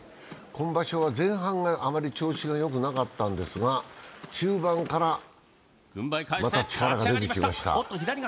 今場所は前半があまり調子がよくなかったんですが、中盤からまた力が出てきました。